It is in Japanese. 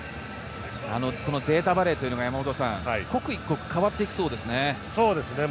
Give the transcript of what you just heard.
データバレーというのが刻一刻変わってきそうですね。